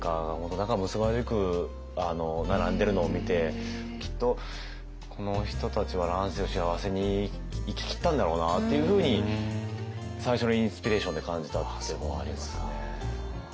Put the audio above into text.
仲むつまじく並んでるのを見てきっとこの人たちは乱世を幸せに生ききったんだろうなっていうふうに最初のインスピレーションで感じたっていうのはありますね。